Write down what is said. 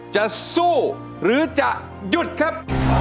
จะสู้หรือจะหยุดครับ